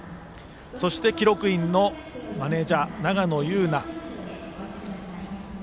そして記録員のマネージャー永野悠菜。